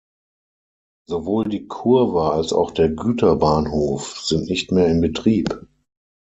Sowohl die Kurve als auch der Güterbahnhof sind nicht mehr in Betrieb.